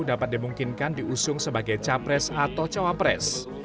dapat dimungkinkan diusung sebagai capres atau cawapres